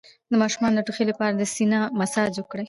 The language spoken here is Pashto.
د ماشوم د ټوخي لپاره د سینه مساج وکړئ